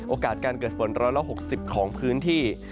โอกาสการเกิดฝน๑๖๐ของพื้นที่